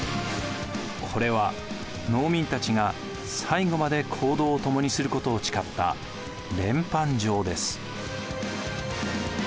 これは農民たちが最後まで行動を共にすることを誓った連判状です。